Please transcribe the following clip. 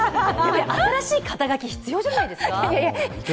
新しい肩書き、必要じゃないですか？